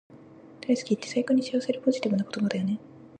大好きって最高に幸せでポジティブな言葉だよね